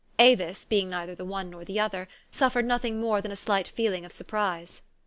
Avis, being neither the one nor the other, suffered nothing more than a slight feeling of sur prise.